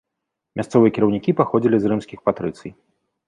Мясцовыя кіраўнікі паходзілі з рымскіх патрыцый.